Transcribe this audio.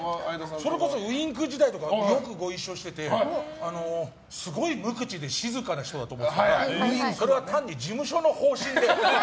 それこそＷｉｎｋ時代からよくご一緒しててすごい無口で静かな人だと思ってたらそれは単に事務所の方針で。